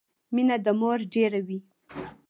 مينه د مور ډيره وي